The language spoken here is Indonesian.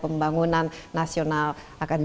pembangunan nasional akan